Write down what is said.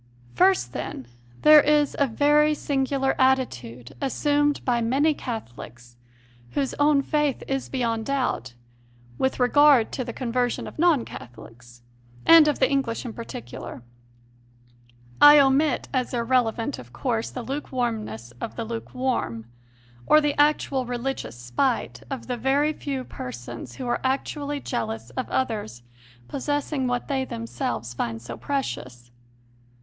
First, then, there is a very singular attitude assumed by many Catholics, whose own faith is beyond doubt, with regard to the conversion of non Catholics, and of the English in particular. I omit as irrelevant, of course, the lukewarmness of the lukewarm, or the actual religious spite of the very few persons who are actually jealous of others possessing what they themselves find so precious.